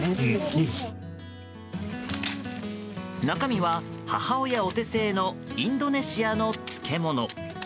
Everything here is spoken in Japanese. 中身は、母親お手製のインドネシアの漬物。